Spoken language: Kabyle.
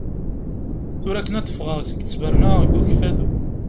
Tura akken d-fɣaɣ seg ttberna deg Ukfadu.